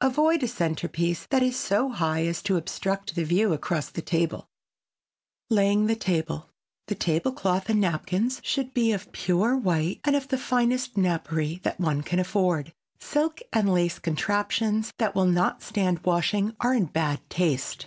Avoid a centerpiece that is so high as to obstruct the view across the table. [Sidenote: LAYING THE TABLE] The table cloth and napkins should be of pure white and of the finest napery that one can afford. Silk and lace contraptions that will not stand washing are in bad taste.